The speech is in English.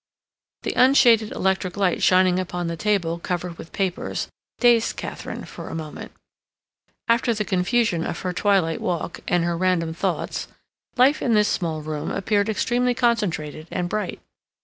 The unshaded electric light shining upon the table covered with papers dazed Katharine for a moment. After the confusion of her twilight walk, and her random thoughts, life in this small room appeared extremely concentrated and bright.